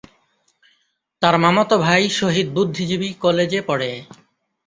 তার মামাতো ভাই শহীদ বুদ্ধিজীবী কলেজে পড়ে।